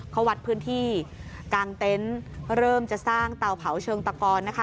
เขาวัดพื้นที่กลางเต็นต์เริ่มจะสร้างเตาเผาเชิงตะกอนนะคะ